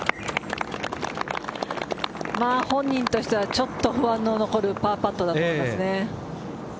本人としたらちょっと不安の残るパーパットだったと思います。